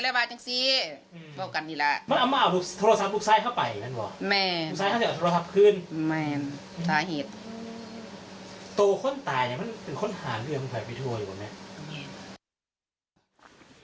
ถูกความหญ้า